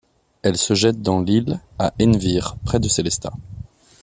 Elle se jette dans l'Ill à Ehnwihr, près de Sélestat.